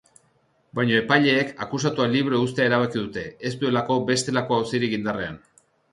Baina epaileek akusatua libre uztea erabaki dute, ez duelako bestelako auzirik indarrean.